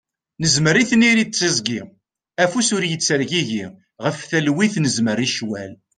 Nezmer i tniri d tiẓgi, afus ur ittergigi, ɣef talwit nezmer i ccwal.